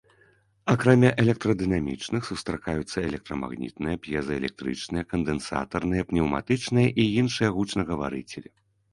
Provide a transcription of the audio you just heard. Акрамя электрадынамічных, сустракаюцца электрамагнітныя, п'езаэлектрычныя, кандэнсатарныя, пнеўматычныя і іншыя гучнагаварыцелі.